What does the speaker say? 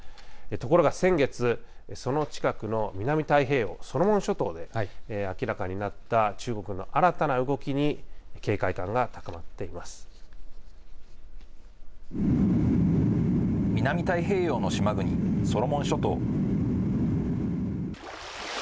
ところが先月、その近くの南太平洋・ソロモン諸島で明らかになった中国の新たな南太平洋の島国、ソロモン諸島。